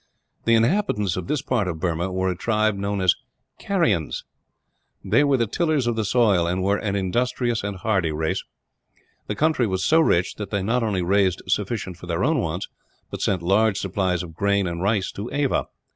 The inhabitants of this part of Burma were a tribe known as Carians. They were the tillers of the soil, and were an industrious and hardy race. The country was so rich that they not only raised sufficient for their own wants, but sent large supplies of grain and rice to Ava.